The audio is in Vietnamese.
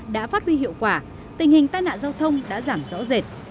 đã phát huy hiệu quả tình hình tai nạn giao thông đã giảm rõ rệt